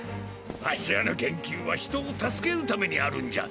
わしらの研究は人を助けるためにあるんじゃ。